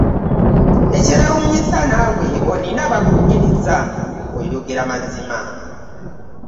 Ekyewuunyisa naawe olina abakukkiriza mbu oyogera mazima!